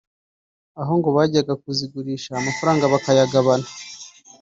aho ngo bajyaga kuzigurisha amafaranga bakayagabana